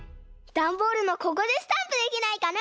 ダンボールのここでスタンプできないかな？